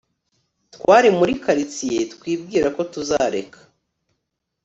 twari muri quartier twibwira ko tuzareka